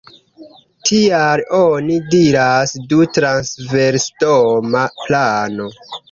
Tial oni diras „du-transversdoma plano“.